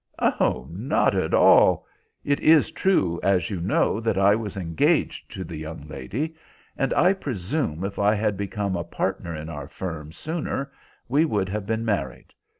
"Oh, not at all. It is true, as you know, that I was engaged to the young lady, and I presume if I had become a partner in our firm sooner we would have been married.